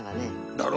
だろ？